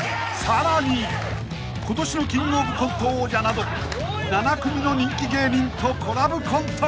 ［さらに今年のキングオブコント王者など７組の人気芸人とコラボコント］